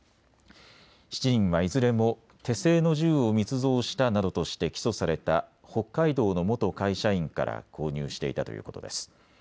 ７人はいずれも手製の銃を密造したなどとして起訴された北海道の元会社員から購入していたということです。